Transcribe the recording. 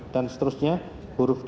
dan seterusnya huruf d